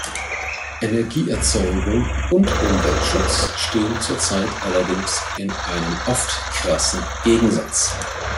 Energieerzeugung und Umweltschutz stehen zur Zeit allerdings in einem oft krassen Gegensatz.